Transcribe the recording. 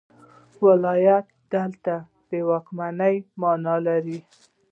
ولایت دلته د واکمنۍ معنی لري.